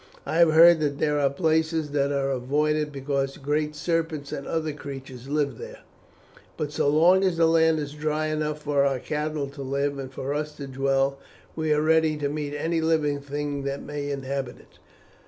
I have heard that there are places that are avoided because great serpents and other creatures live there, but so long as the land is dry enough for our cattle to live and for us to dwell we are ready to meet any living thing that may inhabit it."